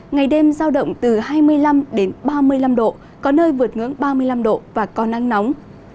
ngày đêm giao động từ hai mươi năm ba mươi năm độ có nơi vượt ngưỡng ba mươi năm độ và có nắng nóng